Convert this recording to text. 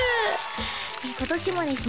今年もですね